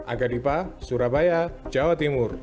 agadipa surabaya jawa timur